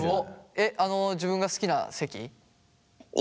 あの自分が好きな席？